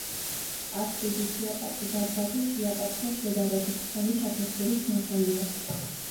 აფსიდის იატაკი, დარბაზის იატაკთან შედარებით, სამი საფეხურით მაღალია.